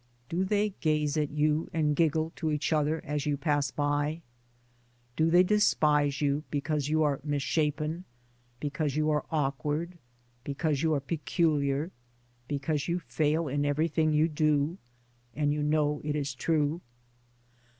Do they gaze at you and giggle to each other as you pass by ? Do they despise you because you are mis shapen, because you are awkward, because you are peculiar, because you fail in everything you do — and you know it is true?